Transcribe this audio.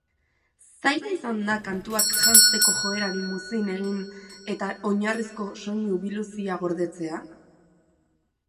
Zaila izan da kantuak janzteko joerari muzin egin eta oinarrizko soinu biluzia gordetzea?